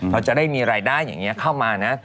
เราจะได้มีรายได้อย่างนี้เข้ามานะ